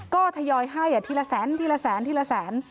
ก็ทยอยให้ทีละแสนทีละแสนทีละแสน